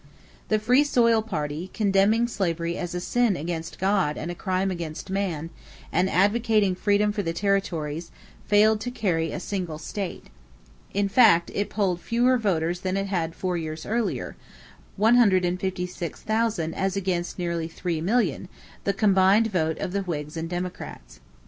The Free Soil party, condemning slavery as "a sin against God and a crime against man," and advocating freedom for the territories, failed to carry a single state. In fact it polled fewer votes than it had four years earlier 156,000 as against nearly 3,000,000, the combined vote of the Whigs and Democrats.